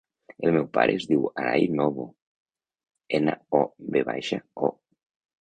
El meu pare es diu Aray Novo: ena, o, ve baixa, o.